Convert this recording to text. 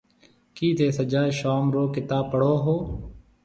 ڪِي ٿَي سجا شووم رو ڪتاب پڙهون هون؟